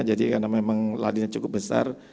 jadi karena memang ladinya cukup besar